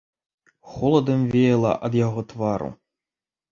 Холадам веяла ад яго твару.